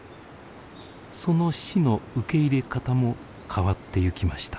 その死の受け入れ方も変わってゆきました。